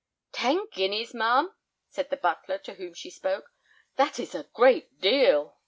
"Ten guineas, ma'am?" said the butler, to whom she spoke. "That is a great deal."